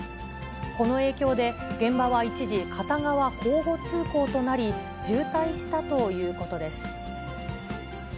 この影響で、現場は一時、片側交互通行となり、渋滞したということです。